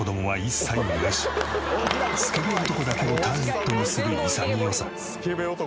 スケベ男だけをターゲットにする潔さ。